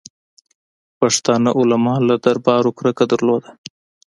پښتانه علما له دربارو کرکه درلوده.